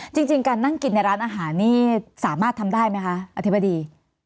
จริงการนั่งกินในร้านอาหารนี่สามารถทำได้ไหมคะอธิบดี